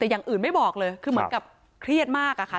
แต่อย่างอื่นไม่บอกเลยคือเหมือนกับเครียดมากอะค่ะ